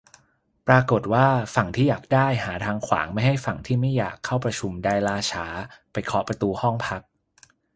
ปรากฏว่า ฝั่งที่อยากได้ หาทางขวางไม่ให้ฝั่งที่ไม่อยาก เข้าประชุมได้ล่าช้า ไปเคาะประตูห้องพัก